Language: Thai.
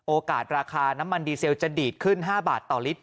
โอกาสราคาน้ำมันดีเซลจะดีดขึ้น๕บาทต่อลิตร